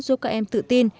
giúp các em tự tin